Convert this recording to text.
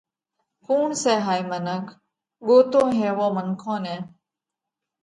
ڪُوڻ سئہ هائي منک؟ ڳوتو هيوون منکون نئہ